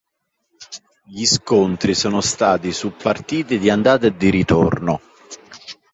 Gli scontri sono stati su partite di andata e ritorno.